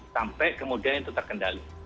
sampai kemudian itu terkendali